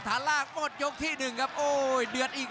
หล้าร่างหมดยกที่หนึ่งครับโอ๊ยเดินอีก